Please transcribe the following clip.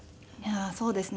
そうですね。